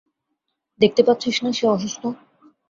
দেখতে পাচ্ছিস না সে অসুস্থ!